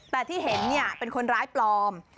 แต่ที่เห็นเป็นคนร้ายปลอม